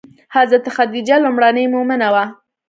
حضرت خدیجه لومړنۍ مومنه وه.